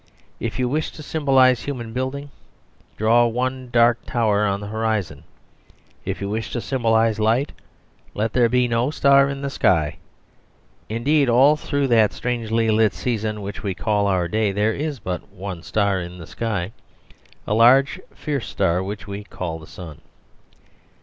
If you wish to symbolise human building draw one dark tower on the horizon; if you wish to symbolise light let there be no star in the sky. Indeed, all through that strangely lit season which we call our day there is but one star in the sky a large, fierce star which we call the sun.